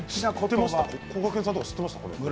こがけんさん知っていましたか。